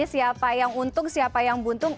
siapa yang untung siapa yang buntung